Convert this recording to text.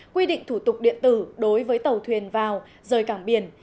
quy định thủ tục điện tử đối với tàu thuyền vào rời cảng biển